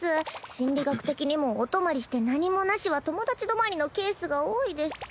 心理学的にもお泊まりして何もなしは友達止まりのケースが多いですし。